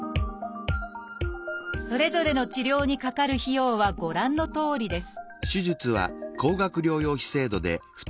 それぞれの治療にかかる費用はご覧のとおりです